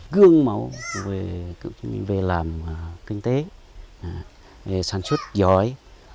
gương mẫu về làm kinh tế sản xuất giỏi